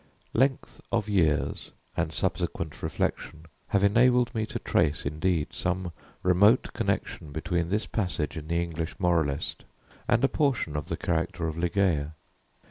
Length of years and subsequent reflection have enabled me to trace, indeed, some remote connection between this passage in the English moralist and a portion of the character of Ligeia.